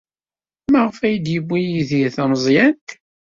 Maɣef ay d-yewwi Yidir tameẓyant?